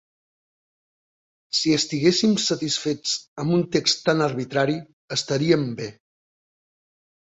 Si estiguéssim satisfets amb un text tan arbitrari, estaríem bé.